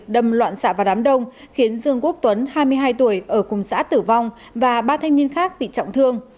đâm loạn xạ vào đám đông khiến dương quốc tuấn hai mươi hai tuổi ở cùng xã tử vong và ba thanh niên khác bị trọng thương